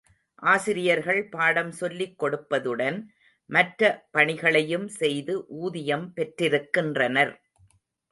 ஆசிரியர்கள் பாடம் சொல்லிக் கொடுப்பதுடன், மற்ற பணிகளையும் செய்து ஊதியம் பெற்றிருக்கின்றனர்.